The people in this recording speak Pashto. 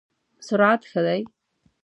سرعت ښه دی؟